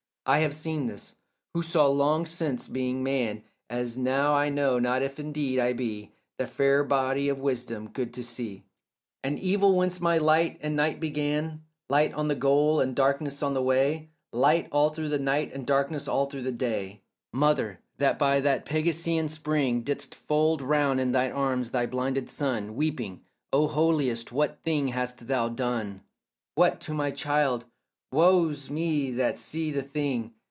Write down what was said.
I have seen this, who saw long since, being man, As now I know not if indeed I be, The fair bare body of Wisdom, good to see And evil, whence my light and night began; Light on the goal and darkness on the way, Light all through night and darkness all through day. Mother, that by that Pegasean spring Didst fold round in thine arms thy blinded son, Weeping "O holiest, what thing hast thou done, What, to my child? woe's me that see the thing!